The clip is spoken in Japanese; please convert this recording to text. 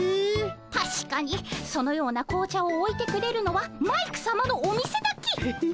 たしかにそのような紅茶をおいてくれるのはマイクさまのお店だけ。